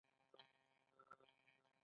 نو بیا به یې هغه کس په دار ځړاوه